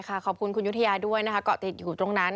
ค่ะขอบคุณคุณยุทธยาด้วยนะฝากหนักอยู่ตรงนั้น